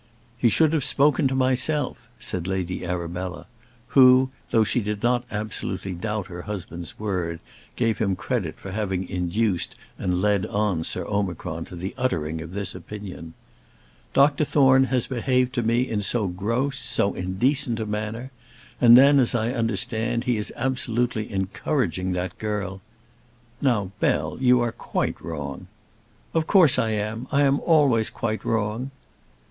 "He should have spoken to myself," said Lady Arabella, who, though she did not absolutely doubt her husband's word, gave him credit for having induced and led on Sir Omicron to the uttering of this opinion. "Doctor Thorne has behaved to me in so gross, so indecent a manner! And then, as I understand, he is absolutely encouraging that girl " "Now, Bell, you are quite wrong " "Of course I am; I always am quite wrong."